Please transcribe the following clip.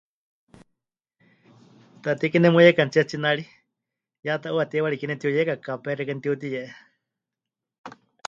Taatei Kie nemuyeikanitsie tsinari, ya tɨ 'uuwa teiwari kie nepɨtiuyeika kapé xeikɨ́a netiutiye'e.